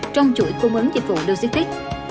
trong chuỗi cung ứng dịch vụ logistics